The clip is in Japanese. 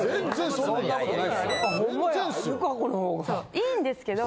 いいんですけど。